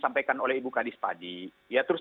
sampaikan oleh ibu kadis padi ya terus